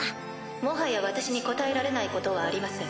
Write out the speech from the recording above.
もはや私に答えられないことはありません。